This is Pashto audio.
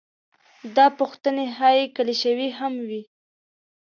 دا پوښتنې ښايي کلیشوي هم وي.